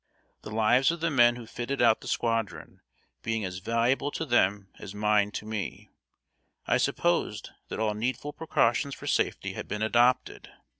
The lives of the men who fitted out the squadron being as valuable to them as mine to me, I supposed that all needful precautions for safety had been adopted.